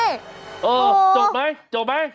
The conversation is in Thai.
เออจบไหมจบไหม